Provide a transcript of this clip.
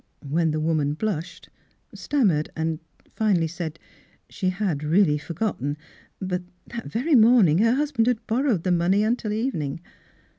When the woman blushed, stammered, and finally said she had really forgotten, but that very morning her husband had borrowed the money until evening.